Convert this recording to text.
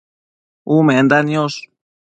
Umenda niosh